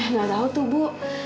nggak tau tuh bu